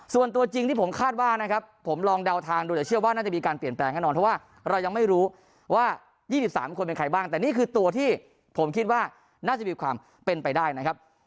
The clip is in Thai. ส่วนตัวจริงที่ผมคาดว่านะครับผมลองเดาทางดูแต่เชื่อว่าน่าจะมีการเปลี่ยนแปลงแน่นอนเพราะว่าเรายังไม่รู้ว่า๒๓คนเป็นใครบ้างแต่นี่คือตัวที่ผมคิดว่าน่าจะมีความเป็นไปได้นะครับ